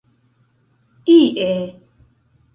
ie